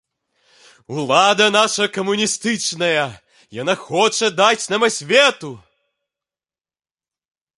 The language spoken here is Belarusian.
Улада наша камуністычная, яна хоча даць нам асвету.